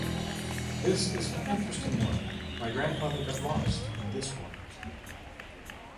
This is an interesting one My grandfather got lost in this one